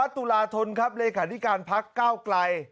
ตกกลาย